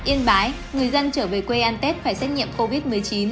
yên bái người dân trở về quê ăn tết phải xét nghiệm covid một mươi chín